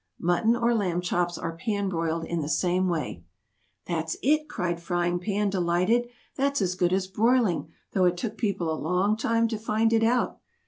Mutton or Lamb Chops are pan broiled in the same way. [Illustration: "I'm Frying Pan."] "That's it!" cried Frying Pan, delighted. "That's as good as broiling, though it took people a long time to find it out."